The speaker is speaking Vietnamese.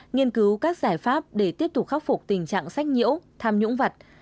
nghiên cứu các giải pháp để tiếp tục khắc phục tình trạng sách nhiễu tham nhũng vật